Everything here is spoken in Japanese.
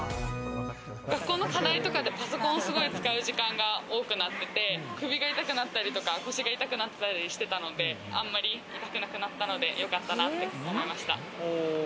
学校の課題とかでパソコン使う時間が多くなってて、首が痛くなったり、腰が痛くなったりしてたので、あまり痛くなくなったので、よかったなって思いました。